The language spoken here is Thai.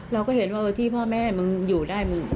เราก็เห็นว่าที่พ่อแม่มึงอยู่ได้มึง